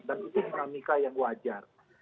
dan itu dinamika yang wajar